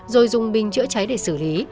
rồi dùng binh chữa cháy để xử lý